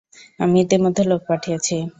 আমি ইতিমধ্যে লোক পাঠিয়েছি।